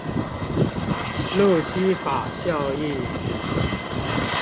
路西法效應